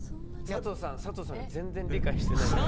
佐藤さんが全然理解してない。